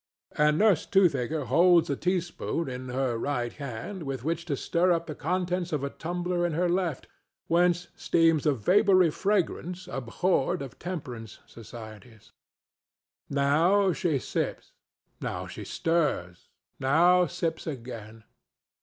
And Nurse Toothaker holds a teaspoon in her right hand with which to stir up the contents of a tumbler in her left, whence steams a vapory fragrance abhorred of temperance societies. Now she sips, now stirs, now sips again.